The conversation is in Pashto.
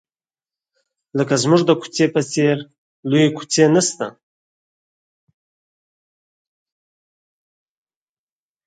لکه زموږ د کوڅې په څېر لویې کوڅې نشته.